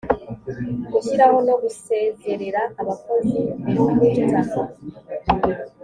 gushyiraho no gusezerera abakozi recruter